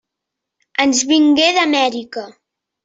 Ens vingué d'Amèrica.